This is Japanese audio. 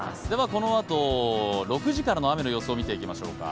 このあと６時からの雨の様子を見ていきましょうか。